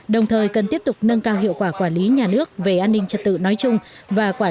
đồng thời cần tiếp tục nâng cao hiệu quả quản lý nhà nước về an ninh trật tự nói chung và quản